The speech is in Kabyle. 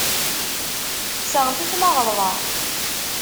Seɣtit ma ɣelḍeɣ.